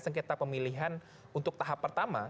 sengketa pemilihan untuk tahap pertama